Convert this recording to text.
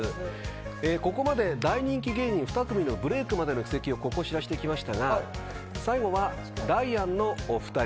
ここまで大人気芸人２組のブレイクまでの軌跡をココ調してきましたが最後はダイアンのお２人。